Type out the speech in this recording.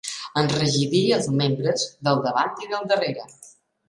Enrigidí els membres, del davant i del darrere.